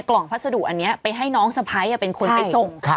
กล่องพัสดุอันนี้ไปให้น้องสะพ้ายเป็นคนไปส่ง